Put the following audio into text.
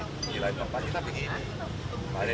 di lain papa kita begini